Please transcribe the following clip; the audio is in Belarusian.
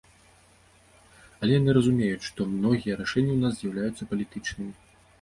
Але яны разумеюць, што многія рашэнні ў нас з'яўляюцца палітычнымі.